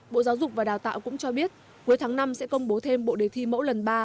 bộ giáo dục và đào tạo cũng cho biết cuối tháng năm sẽ công bố thêm bộ đề thi mẫu lần ba